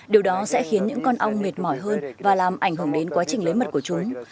điều đó sẽ khiến những con ong mệt mỏi hơn và làm ảnh hưởng đến quá trình lấy mật của chúng